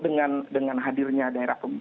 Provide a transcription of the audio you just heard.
dengan hadirnya daerah